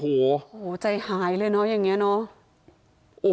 โหใจหายเลยเนาะอย่างเงี้ยเนาะ